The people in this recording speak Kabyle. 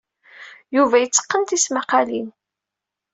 Yuba yetteqqen tismaqqalin.